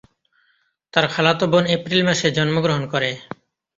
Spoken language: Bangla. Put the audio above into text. তার খালাতো বোন এপ্রিল মাসে জন্মগ্রহণ করে।